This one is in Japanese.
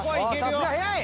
さすが早い！